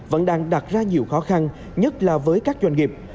vẫn đang đặt ra nhiều khó khăn nhất là với các doanh nghiệp